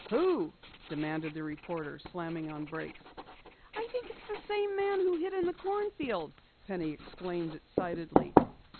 "Who?" demanded the reporter, slamming on brakes. "I think it's the same man who hid in the cornfield!" Penny exclaimed excitedly.